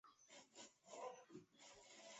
盐酸奥洛他定以浓度依赖方式抑制反应。